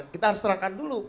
kita harus terangkan dulu